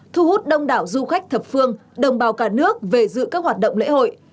thu hút đông đảo du khách thập phương đồng bào cả nước về dự các hoạt động lễ hội